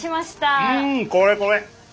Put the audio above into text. うんこれこれ。